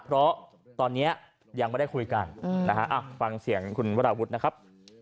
เพราะตอนนี้ยังไม่ได้คุยกันนะฮะฟังเสียงคุณวราวุฒินะครับ